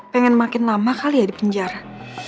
pengen makin lama kali ya di penjara